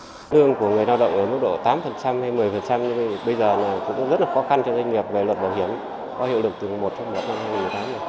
mức lương của người lao động ở mức độ tám hay một mươi bây giờ là cũng rất là khó khăn cho doanh nghiệp về luật bảo hiểm có hiệu lực từ một trong một năm hai nghìn một mươi tám